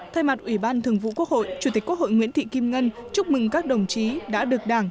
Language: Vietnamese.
thay mặt ủy ban thường vụ quốc hội chủ tịch quốc hội nguyễn thị kim ngân chúc mừng các đồng chí đã được đảng